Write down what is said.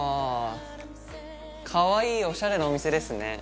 かわいいオシャレなお店ですね。